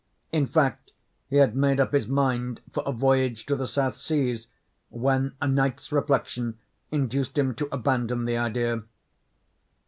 In fact, he had made up his mind for a voyage to the South Seas, when a night's reflection induced him to abandon the idea.